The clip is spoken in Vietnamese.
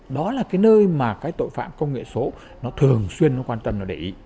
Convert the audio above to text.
đó là cái nơi mà cái tội phạm công nghệ số nó thường xuyên quan tâm nó để ý